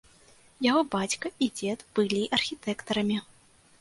Яго бацька і дзед былі архітэктарамі.